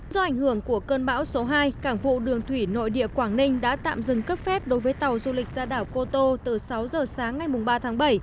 do ảnh hưởng của cơn bão số hai cảng vụ đường thủy nội địa quảng ninh đã tạm dừng cấp phép đối với tàu du lịch ra đảo cô tô từ sáu giờ sáng ngày ba tháng bảy